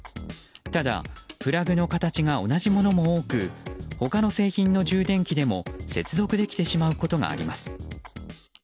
ただ、プラグの形が同じものも多く他の製品の充電器でも接続できてしまうことがあります。